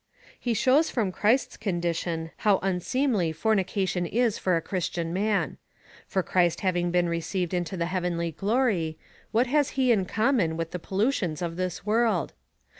He shows from Christ's condition how unseemly fornication is for a Christian man ; for Christ having been received into the heavenly glory, what has he in common with the pollu tions of this world?